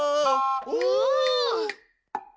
お！